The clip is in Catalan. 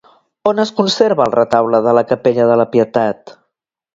On es conserva el retaule de la capella de la Pietat?